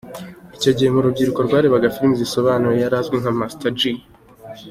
Icyo gihe mu rubyiruko rwarebaga film zisobanuye yari azwi nka Master J.